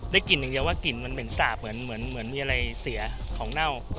กลิ่นอย่างเดียวว่ากลิ่นมันเหม็นสาบเหมือนมีอะไรเสียของเน่า